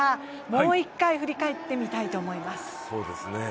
もう一回振り返ってみたいと思います。